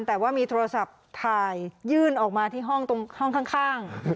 แต่ว่ามีโทรศัพท์ถ่ายยื่นออกมาที่ห้องตรงห้องข้าง